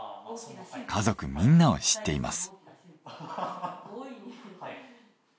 家族みんなを知っています。